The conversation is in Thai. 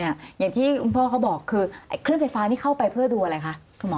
อย่างที่คุณพ่อเขาบอกคือเครื่องไฟฟ้านี่เข้าไปเพื่อดูอะไรคะคุณหมอ